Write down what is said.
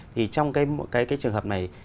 thì trong cái trường hợp này